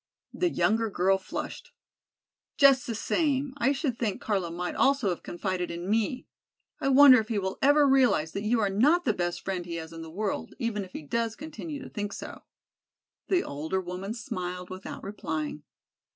The younger girl flushed. "Just the same I should think Carlo might also have confided in me. I wonder if he will ever realize that you are not the best friend he has in the world, even if he does continue to think so." The older woman smiled without replying.